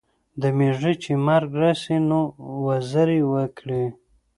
د میږي چي مرګ راسي نو، وزري وکړي.